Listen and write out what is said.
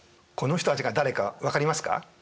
この人たちが誰か分かりますか？